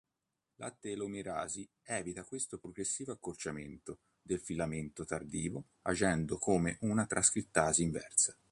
La "telomerasi" evita questo progressivo accorciamento del filamento tardivo agendo come una trascrittasi inversa.